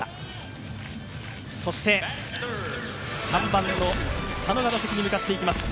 ３番の佐野が打席に向かっていきます。